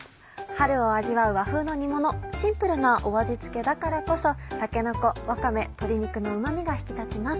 春を味わう和風の煮ものシンプルな味付けだからこそたけのこわかめ鶏肉のうま味が引き立ちます。